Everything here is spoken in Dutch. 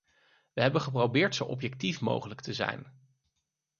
We hebben geprobeerd zo objectief mogelijk te zijn.